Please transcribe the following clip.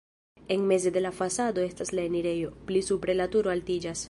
En meze de la fasado estas la enirejo, pli supre la turo altiĝas.